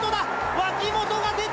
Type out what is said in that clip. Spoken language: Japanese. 脇本が出た。